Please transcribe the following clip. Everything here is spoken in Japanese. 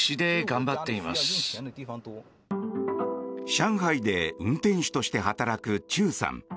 上海で運転手として働くチューさん。